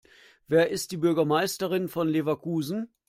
Wer ist die Bürgermeisterin von Leverkusen?